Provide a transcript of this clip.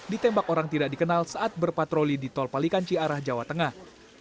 ditembak orang tidak dikenal saat berpatroli di tol palikanci arah jawa tengah